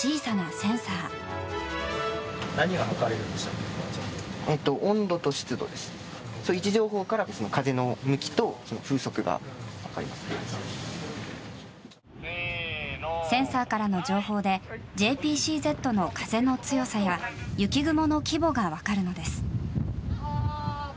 センサーからの情報でＪＰＣＺの風の強さや雪雲の規模が分かるのです。